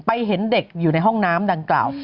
เห็นเด็กอยู่ในห้องน้ำดังกล่าว